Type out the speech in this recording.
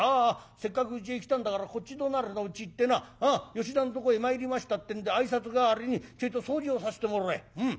せっかくうちへ来たんだからこっち隣のうち行ってな吉田んとこへ参りましたってんで挨拶代わりにちょいと掃除をさせてもらえうん。